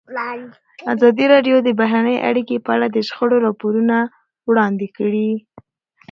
ازادي راډیو د بهرنۍ اړیکې په اړه د شخړو راپورونه وړاندې کړي.